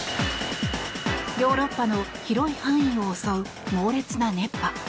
ヨーロッパの広い範囲を襲う猛烈な熱波。